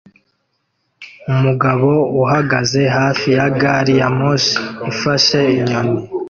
Umugabo uhagaze hafi ya gari ya moshi ifashe inyoni